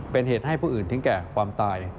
เป็นเหตุให้ผู้อื่นถึงแก่ความตาย